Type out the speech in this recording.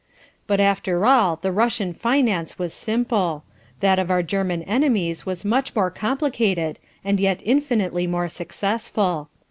But after all the Russian finance was simple. That of our German enemies was much more complicated and yet infinitely more successful.